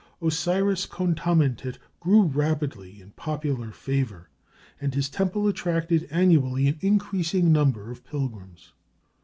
Osiris Khontamentit grew rapidly in popular favor, and his temple attracted annually an increasing number of pilgrims.